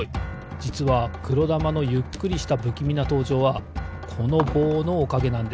じつはくろだまのゆっくりしたぶきみなとうじょうはこのぼうのおかげなんです。